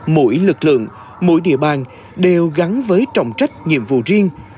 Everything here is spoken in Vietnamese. mỗi lực lượng mỗi địa bàn đều gắn với trọng trách nhiệm vụ riêng